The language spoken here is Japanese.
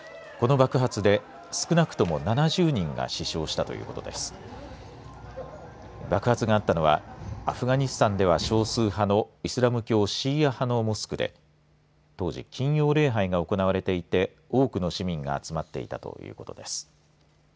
爆発があったのはアフガニスタンでは少数派のイスラム教シーア派のモスクで当時、金曜礼拝が行われていて多くの市民が集まっていたということです。